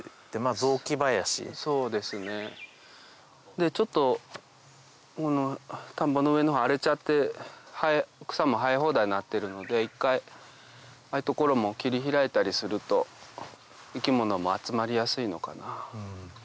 でちょっと田んぼの上の方荒れちゃって草も生え放題になってるので一回ああいう所も切り開いたりすると生き物も集まりやすいのかな。